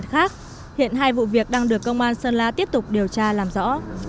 hiện hai vụ việc đang được công an sơn la tiếp tục điều tra làm rõ